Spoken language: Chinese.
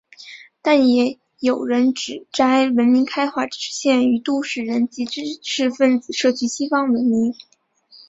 但也有人指摘文明开化只是限于都市人及知识分子摄取西方文明。